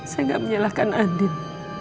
saya enggak menyalahkan andin